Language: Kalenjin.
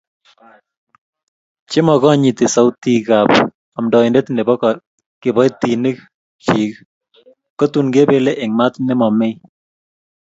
Chemakonyiti sautik ak amndoindet nebo kibotinik chiik, kotun kebele eng maat nemamei